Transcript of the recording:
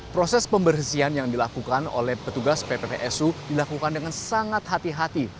proses pembersihan yang dilakukan oleh petugas pppsu dilakukan dengan sangat hati hati